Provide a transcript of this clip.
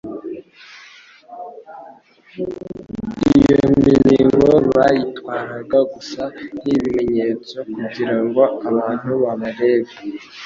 Iyo mizingo bayitwaraga gusa nk'ibimenyetso kugira ngo abantu babarebe.